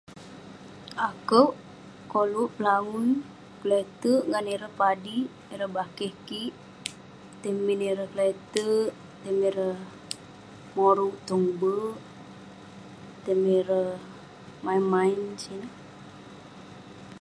Akouk koluk pelangui, keleterk ngan ireh padik, bakeh kik. Tai min ireh keleterk, tai min erek moruk tong be'ek, tai min ireh main main sineh.